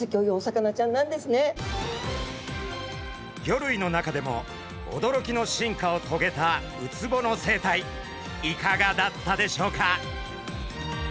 魚類の中でも驚きの進化をとげたウツボの生態いかがだったでしょうか？